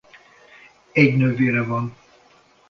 Egy nővére van.